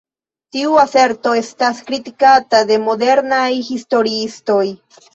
Tiu aserto estas kritikata de modernaj historiistoj.